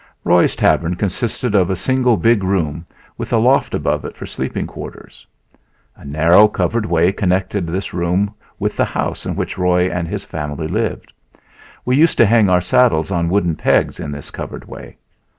Roy's Tavern consisted of a single big room, with a loft above it for sleeping quarters. A narrow covered way connected this room with the house in which Roy and his family lived. We used to hang our saddles on wooden pegs in this covered way.